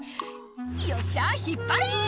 「よっしゃ引っ張れ！」